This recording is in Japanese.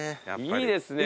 いいですね